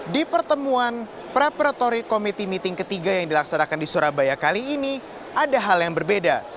di pertemuan preparatory committee meeting ketiga yang dilaksanakan di surabaya kali ini ada hal yang berbeda